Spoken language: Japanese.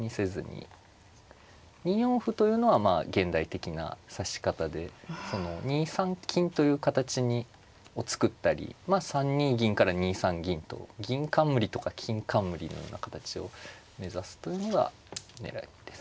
２四歩というのは現代的な指し方でその２三金という形を作ったり３二銀から２三銀と銀冠とか金冠のような形を目指すというのが狙いです。